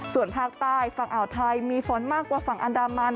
ส่วนภาคใต้ฝั่งอ่าวไทยมีฝนมากกว่าฝั่งอันดามัน